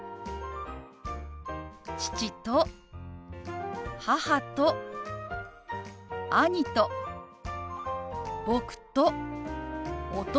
父と母と兄と僕と弟です。